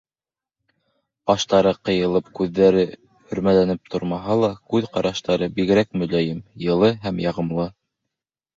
Ҡаштары ҡыйылып, күҙҙәре һөрмәләнеп тормаһа ла күҙ ҡараштары бигерәк мөләйем, йылы һәм яғымлы.